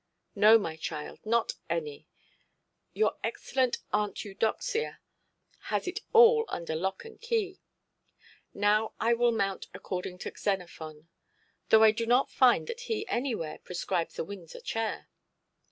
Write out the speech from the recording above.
"No, my child, not any. Your excellent Aunt Eudoxia has it all under lock and key. Now I will mount according to Xenophon, though I do not find that he anywhere prescribes a Windsor chair.